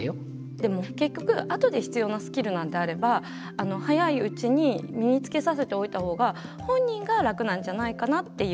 でも結局あとで必要なスキルなんであれば早いうちに身につけさせておいた方が本人が楽なんじゃないかなっていう。